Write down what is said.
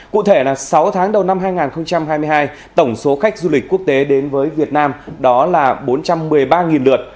cụ thể là sáu tháng đầu năm hai nghìn hai mươi hai tổng số khách du lịch quốc tế đến với việt nam đó là bốn trăm một mươi ba lượt